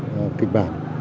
và năm tác phẩm